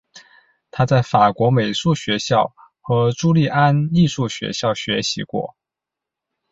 他在法国美术学校和朱利安艺术学校学习过。